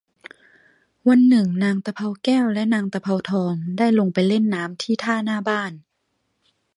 วันหนึ่งนางตะเภาแก้วและนางตะเภาทองได้ลงไปเล่นน้ำที่ท่าหน้าบ้าน